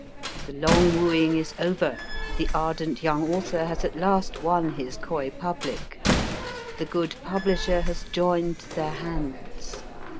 The long wooing is over. The ardent young author has at last won his coy public. The good publisher has joined their hands.